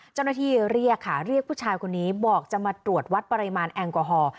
เรียกค่ะเรียกผู้ชายคนนี้บอกจะมาตรวจวัดปริมาณแอลกอฮอล์